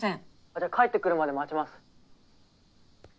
じゃあ帰って来るまで待ちます。